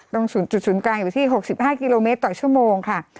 ๐๐กลางอยู่ที่๖๕กิโลเมตรต่อชั่วโมงค่ะ